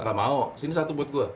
gak mau sini satu buat gue